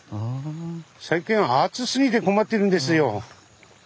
最近は暑すぎて困ってるんですよ。